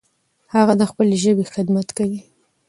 هغه د خپلې ژبې خدمت کوي.